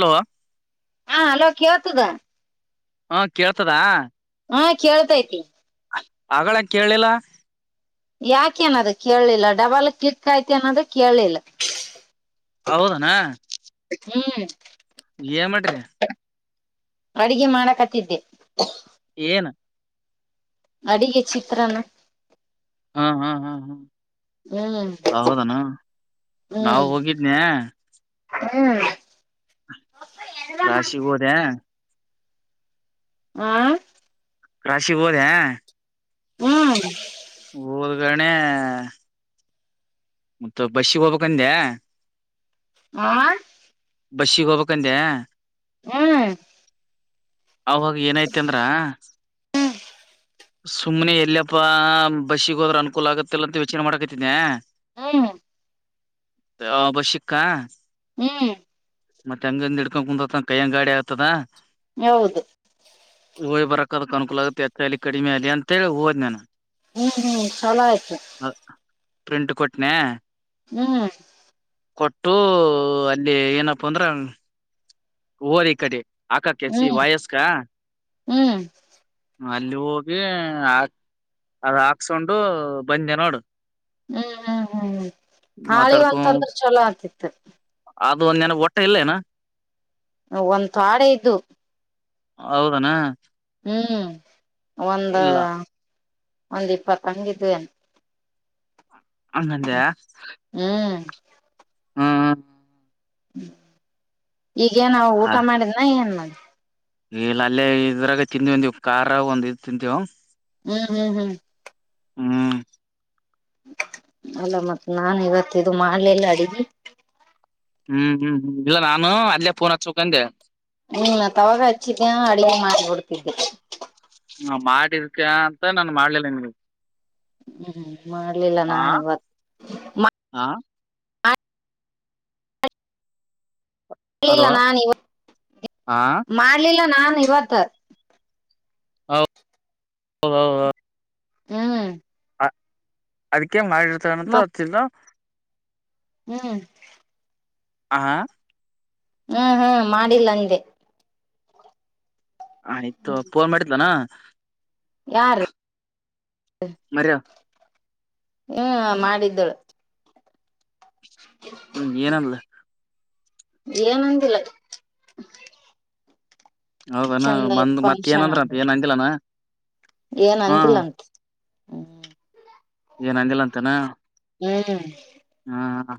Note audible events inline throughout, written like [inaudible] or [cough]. Hello. ಹಾ hello ಕೇಳ್ತದಾ. ಹಾ ಕೇಳ್ತದಾ. ಹಾ ಕೇಳ್ತೈತಿ. ಅಗಳೆ ಕೇಳಲಿಲ್ಲ. ಯಾಕೆ ಅದು ಕೇಳಲಿಲ್ಲ ಡಬಲ್ ಕ್ಲಿಕ್ ಆಯ್ತಾ ಏನ್ ಅದು ಕೇಳಲಿಲ್ಲ ಹೌದನು. ಹ್ಮ್ ಏನ್ ಮಾಡಿರಿ. ಅಡಿಗೆ ಮಾಡಕತ್ತಿದ್ದೆ. ಏನು - ಅಡಿಗೆ ಚಿತ್ರನ - ಹ ಹಾ ಹಾ ಹಾ ಹೌದನು ನಾವು ಹ್ಮ್ ಹೋಗಿದನ ಹ್ಮ್ [unintelligible] ಕ್ರಾಶಿಗೆ ಹೋದೆ. ಹ್ಹಾ. ಕ್ರಾಸಿಗೆ ಹೊಡ್ಯ ಹ್ಮ್. ಹೋದಗಣೆ [unintelligible] ಮತ್ತ ಬಸ್ಸಿಗೆ ಹೋಗ್ಬೇಕಕ್ಂದೆ ಹಾ [unintelligible] ಬಸ್ಸಿಗೆ ಹೋಗ್ಕ್ಂದೆ ಹ್ಮ [unintelligible] ಅವಾಗ ಏನೈತಿ ಅಂದ್ರ ಸುಮ್ಮ್ನೆ ಎಲ್ಲಯಪ್ಪಾ ಬಸ್ಸಿ ಗೆ ಹೋದ್ರ ಅನುಕೂಲ ಆಗತ್ತಲ್ಲ ಅಂತ ಯೋಚನೆ ಮಾಡಕತಿದ್ದನೆ ಹ್ಮ [unintelligible] ಬಸಕ್ಕಾ ಹ್ಮ್ ಮತ್ತೆ ಹೆಂಗಂದ ಹ ಇಡ್ಕೊಂಡ್ ಕುಂದ್ರತನ ಕೈಯಂಗ ಗಾಡಿ ಆಗ್ತದ ಹೌದು ಹೋಯ್ ಬರಕದಕ್ ಅನುಕೂಲ ಆಗುತ್ತೆ ಎಚ್ಚಲಿ ಕಡಿಮೆ ಆಗಲಿ ಅಂತೇಳಿ ಹೋದ್ ನಾನೂ ಹ್ಮ್ ಹ್ಮ್ ಚಲ ಆಯ್ತು ಪ್ರಿಂಟ್ ಕೊಟ್ನೆ ಹ್ಮ್ ಕೊಟ್ಟು ಅಲ್ಲಿ ಏನಪ್ಪ ಅಂದ್ರ ಹೋರಿ ಕಡೆ ಆಕ ಕೆ ಸಿ ಹ್ಮ್ ವಾಯಸ್ಕ ಹ್ಮ್ ಅಲ್ಲಿ ಹೋಗಿ ಅದ ಹಾಕ್ಸ್ಕೊಂಡು ಬಂದೆ ನೋಡು ಹ್ಮ್ ಹ್ಮ್ ಹ್ಮ್ ಹ್ಮ ಹಾಳಿವ ಮಾತಾಡ್ಕೊ ಅಂತಂದ್ರೆ ಚಲೋ ಆಗ್ತಿತ್ತು ಅದು ಒ ನನ್ನಗ್ ಒಟ್ಟೆ ಇಲ್ಲೇನಾ ಒಂದ್ ತಾಡೆ ಇದ್ದದು ಹೌದನಾ ಹ್ಮ್ ಒಂದ ಇಲ್ಲ ಒಂದ್ ಇಪ್ಪತ್ತ ಹಂಗಿದ್ವಿ ಹಂಗಂದ್ಯಾ ಹ್ಮ್ ಹಾ ಹ ಹ್ಮ್ ಈಗೇ ನ ಹ ಊಟ ಮಾಡಿದ್ನ ಏನ್ ಮಾಡ ಇಲ್ಲ ಅಲ್ಲೇ ಇದ್ರಾಗ ತಿಂಧ ದವಿಂದವು ಕಾರ್ ಒಂದ ಇ್ ತಿಂತಿವವು ಹ್ಮ್ ಹ್ಮ್ ಹ್ಮ್ ಹ್ಮ್ ಅಲ್ಲ ಮತ್ತ್ ನಾ ಇವತ್ತ ಇದು ಮಾಡಲೆಲ್ಲ ಅಡಿದ್ದ ಹ್ಮ್ ಹ್ಮ್ ಹ್ಮ್ ಇಲ್ಲ ನಾನು ಅಲ್ಲೇಫೋನ್ ಹಚ್ಕಂಡೆ ಹ ನಾ ತವಾಗ ಹಚ್ಚಿದ ಅಡುಗೆ ಮಾರ್ಬಿಡ್ತಿದ್ದೆ ಹ ಮಾಡಿದಕ್ಕೆ ಅಂತ ನಾನನ್ ಮಾಡ್ಲಿಲ್ಲ ನಿನ್ಗೆ ಹ್ಮ್ ಮಾಡ್ಲಿಲ್ಲ ನಾನ್ ಇವತ್ತು ಹಾ ಮಾಡ್ಲಿಲ್ಲ ಹಲೋ ನಾ ಇ ಹಾ ಮಾಡ್ಲಿಲ್ಲ ನಾನ್ ಇವತ್ತು [unintelligible] ಹ ಹ ಹ ಹ್ಮ್ ಅದಕ್ಕೆ ಮಾಡಿರ್ತಗಂತ ಮತ್ ಹೊತ್ತಿಲ್ಲ ಹ್ಮ್ ಆಹ [unintelligible] ಹ್ಮ್ ಹ್ಮ್ ಮಾಡಿಲ್ಲ ಅಂದೆ ಆಯ್ತು ಫೋನ್ ಮಾಡಿದ್ಲನಾ ಯಾರು ಮರ ಮಾಡಿದ್ಲು ಹ್ಮ್ ಏನಂದ್ಲು ಏನು ಅಂದಿಲ್ಲ ಅಕ್ಕಿ ಹೌದಾನ ಚಂದ ಆಯ್ತ್ ಬಂದ್ ಮತ್ತತ್ ಏನ ಫಂಕ್ಷನ್ ಅಂದ್ರ ಅಂದ ಅಂತ ಏನ್ ಅಂಗಿಲ್ಲನಾ ಏನ್ ಅಂತಿಲ್ಲ ಅಂತ ಹ್ಮ್ ಏನ್ ಅಂದಿಲ್ಲ ಅಂತನ ಹ್ಮ್ [unintelligible] ಹ್ಮ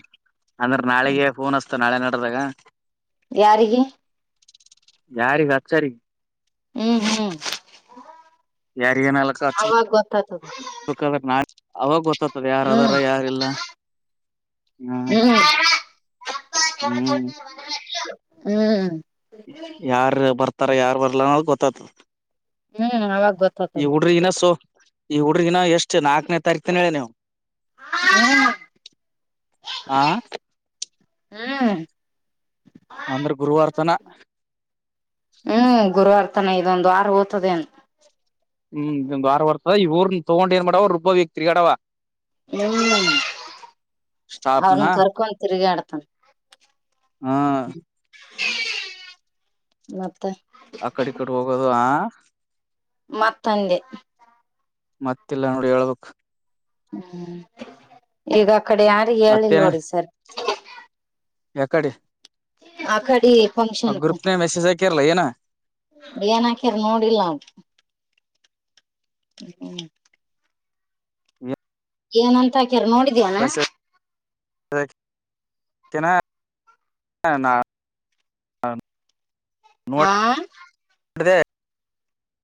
ಅಂದ್ರೆ ನಾಳೆಗೆ ಫೋನ್ ಅಸ್ತ ನಾಳೆ ನಡದಾಗ ಯಾರಿಗೆ ಯಾರಿ ಅಚ್ಚರಿಗೆ ಹ್ಮ್ ಹ್ಮ್ ಅವವಾಗ ಗೊತ್ತಾಯ್ತದೆ ಕ ನಾ ಅವಾಗ ಗೊತ್ತತದ ಹ್ಮ್ ಯಾರದಾರ ಯಾರಲ್ಲ ಹ್ಮ್ ಹ್ಮ್ ಹ್ಮ್ ಯಾರ್ ಬರ್ತಾರೆ ಯಾರು ಬರಲ್ಲ ಅನ್ನೋದು ಗೊತ್ತಾ ಹ್ಮ್ ಅವಾಗ ಈ ಗೊತ್ತತದ ಹುಡುಗಿರಿಗೆನಸೋ ಈ ಹುಡುಗರೇನ ಎಷ್ಟ ನಾಲ್ಕನೇ ತಾರೀಕು ಹ್ಮ್ ಆ ಹ್ಮ್ ಅಂದ್ರೆ ಗುರುವಾರ ತನ ಹ್ಮ್ ಗುರುವಾರ ತನ ಇದೊಂದ್ವಾರ ಹೋಗ್ತದೆ ಅಂತ ಹ್ಮ್ವಾರರ್ತದ ಇವಊರು ತಗೊಂಡ ಏ ಮಾಡಡವ ರುಬ್ಬ ವ್ಯಕ್ ತಿರ್ಗಾಡ್ವಾ ಡವ ಹ್ಮ್ ಸ್ಟಾಪ್ನ ಅವರನ್ ಕರ್ಕೊಂಡ್ ತಾಗ್ ತಿರುಗಾಡು ಹಾ ಮತ್ತೆ ಕಡೆ ಕಡೆ ಹೋಗುವುದು ಮತ್ತಂದೆ ಮತ್ತೆ ಇಲ್ಲ ನೋಡು ಹೇಳಬೇಕು ಹ್ಮ್ ಈಗ ಆ ಕಡೆ ಯಾರ ಹೇಳಿಲ್ಲ ನೋಡಿ ಸರ್ ಎಕಡೆ ಕಡೆ ಫಂಕ್ಷನ್ ಗ್ರೂಪ್ನ ಮೆಸೇಜ್ ಹಾಕಿರಲ್ಲ ಏನ ಏನ್ ಹಾಕ್ಯರ್ ನೋಡಿಲ್ಲ ಅವ ಹ್ಮ ಹ ಏನುಅಂತಕ್ಕೇರ್ ನೋಡಿ ವಸೆ ಕೆನ ನಾ [unintelligible] ಆ ನೋಡಿ ನೋಡ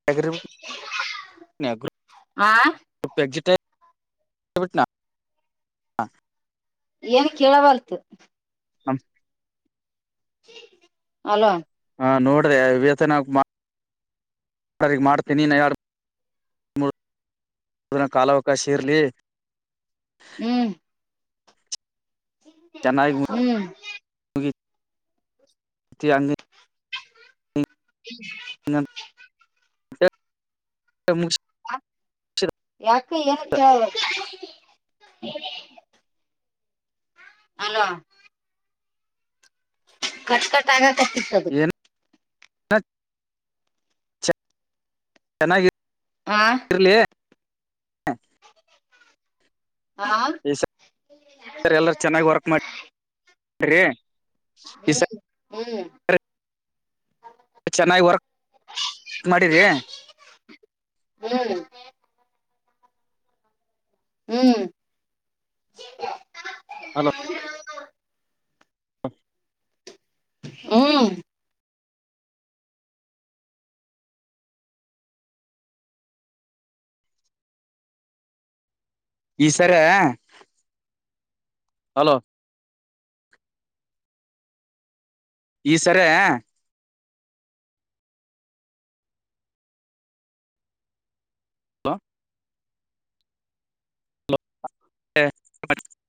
[unintelligible] ಆ ಸೂಪರ್ ಡಿಲೀಟ್ ಆಗ್ಬಿಟ್ನಾ ಏನ್ ಕೇಳಬಾರತು ಹಾ ಹಲೋ ಹಾ ನೋಡ್ರಿ ಇವತ ನಗ್ ಮಾಡ್ತೀನಿ ಯಾರ [unintelligible] ನ ಕಾಲಾವಕಾಶ ಇರಲಿ ಹ್ಮ್ ಚೆಾಯಾಗಿ [unintelligible] ಹ್ಮ್ [unintelligible] ಅ ಹ್ಮ ಮು ಯಾಕ ಏನ್ ಅಲ ಕಟ್ ಕಟ್ ಆಗ ಕತಿತು ಹತ್ ಚನ, ಆ ಲ್ಲಿ ಹಾ ಸರ್ ಎಲ್ಲರ ಚೆನ್ನಾಗಿ ವರ್ಕ್ ಮಾಡಿರಿ ಈ ಹ್ಮ್ ಹ್ಮ್ ಸರಿ ಚೆನ್ನಾಗಿ ವರ್ಕ್ [inaudible] ಮಾಡಿ್ರರಿ ಹ್ಮ್ ಹ್ಮ್ ಹಲೋ ಹ ಈ ಸರ ಹಲೋ ಈ ಸರ ಹ ಹ [inaudible]